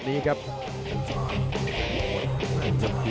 หมดยกที่สองครับ